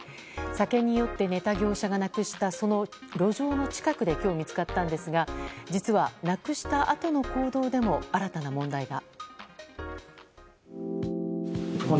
酒に酔って寝た業者がなくしたその路上の近くで今日、見つかったんですが実は、なくしたあとの行動でも新たな問題が。